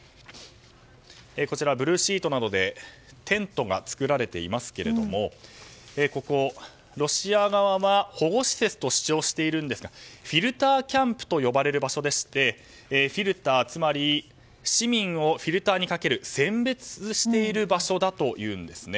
こちら、ブルーシートなどでテントが作られていますがここ、ロシア側は保護施設と主張しているんですがフィルターキャンプと呼ばれる場所でしてフィルター、つまり市民をフィルターにかける選別している場所だというんです。